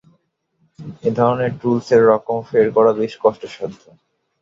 এধরনের টুলসের রকমফের করা বেশ কষ্ট সাধ্য।